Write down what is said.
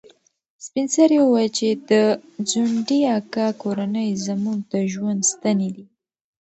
سپین سرې وویل چې د ځونډي اکا کورنۍ زموږ د ژوند ستنې دي.